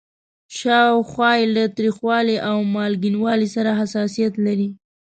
شاوخوا یې له تریوالي او مالګینوالي سره حساسیت لري.